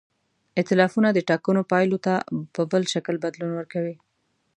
ایتلافونه د ټاکنو پایلو ته په بل شکل بدلون ورکوي.